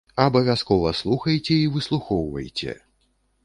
Абавязкова слухайце і выслухоўвайце!